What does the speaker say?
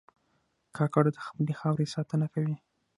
کاکړ د خپلې خاورې ساتنه کوي.